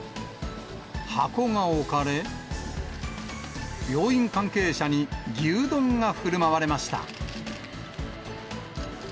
箱が置かれ、病院関係者に牛丼がふるまわれました。